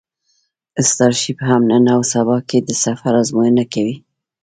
سټارشیپ هم نن او سبا کې د سفر ازموینه کوي.